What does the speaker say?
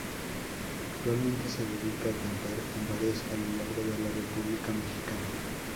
Actualmente se dedica a cantar en bares a lo largo de la República Mexicana.